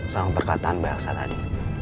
sama perkataan mbak esa tadi